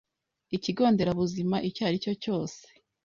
i kigo nderabuzima icyo ari cyo cyose.